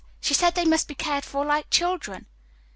She said they must be cared for like children."